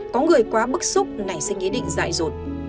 có người quá bức xúc nảy sinh ý định dại dột